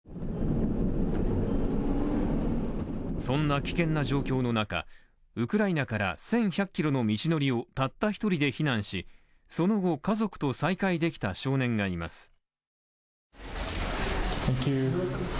そんな危険な状況の中、ウクライナから１１００ｋｍの道のりをたった１人で避難し、その後、家族と再会できた少年がいます。